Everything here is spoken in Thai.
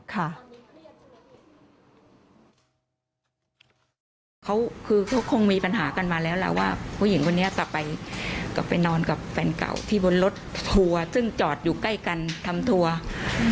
เขาคือเขาคงมีปัญหากันมาแล้วล่ะว่าผู้หญิงคนนี้กลับไปกลับไปนอนกับแฟนเก่าที่บนรถทัวร์ซึ่งจอดอยู่ใกล้กันทำทัวร์